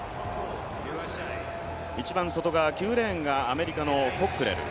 一番外側、９レーンがアメリカのコックレル。